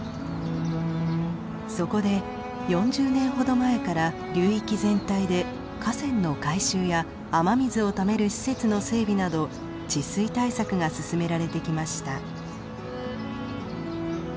そこで４０年ほど前から流域全体で河川の改修や雨水をためる施設の整備など治水対策が進められてきました。